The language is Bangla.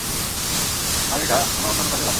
আর এটা আমার অন্যান্য কাজেও লাগে।